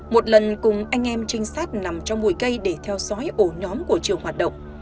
một lần cùng anh em trinh sát nằm trong mùi cây để theo sói ổ nhóm của chiều hoạt động